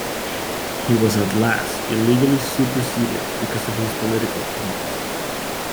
He was at last illegally superseded, because of his political opinions.